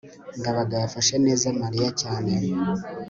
ndabaga yafashe neza mariya cyane